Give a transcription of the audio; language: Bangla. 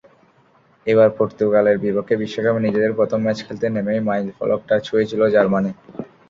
এবার পর্তুগালের বিপক্ষে বিশ্বকাপে নিজেদের প্রথম ম্যাচ খেলতে নেমেই মাইলফলকটা ছুঁয়েছিল জার্মানি।